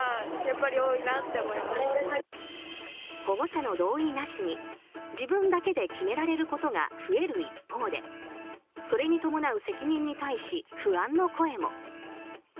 保護者の同意なしに自分だけで決められることが増える一方でそれに伴う責任に対し不安の声も。